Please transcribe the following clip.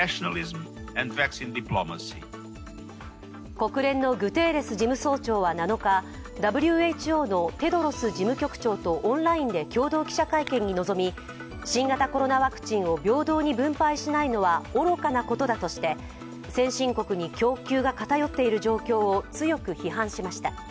国連のグテーレス事務総長は７日ＷＨＯのテドロス事務局長とオンラインで共同記者会見に臨み新型コロナワクチンを平等に分配しないのは愚かなことだとして先進国に供給が偏っている状況を強く批判しました。